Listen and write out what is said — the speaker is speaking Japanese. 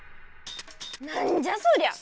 何じゃそりゃ！